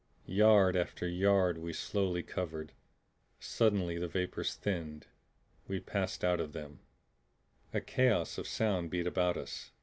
Yard after yard we slowly covered. Suddenly the vapors thinned; we passed out of them A chaos of sound beat about us.